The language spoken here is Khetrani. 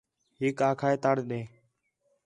ہِک آکھا ہے ترے ݙے